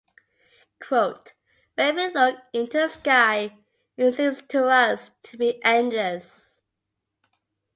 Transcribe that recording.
Quote: When we look into the sky it seems to us to be endless.